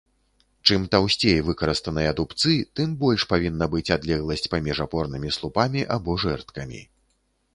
Чым таўсцей выкарыстаныя дубцы, тым больш павінна быць адлегласць паміж апорнымі слупамі або жэрдкамі.